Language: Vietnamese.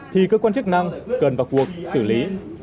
thì cơ quan chức năng cần vào cuộc xử lý